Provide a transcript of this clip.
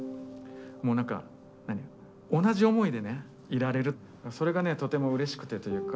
もう何か同じ思いでいられるそれがとてもうれしくてというか。